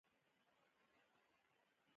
د ژبي بډایوالی د ادب له لارې څرګندیږي.